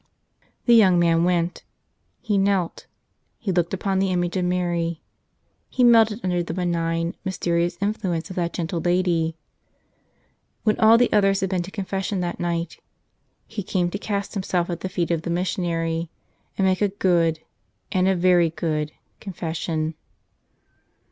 The young man went. He knelt; he looked upon the image of Mary; he melted under the benign, mys¬ terious influence of that gentle Lady. When all the others had been to confession that night, he came to cast himself at the feet of the missionary and make a good, and a very good, confession.